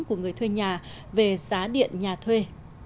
của người thuê nhà về giá điện nhà thuê